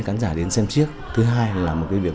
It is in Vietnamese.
khán giả đến xem chiếc thứ hai là một cái việc